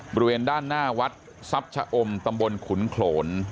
บริเวณด้านหน้าวัดทรัพย์ชะอมตำบลขุนโขลน